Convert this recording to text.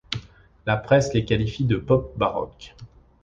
La presse les qualifie de pop baroque.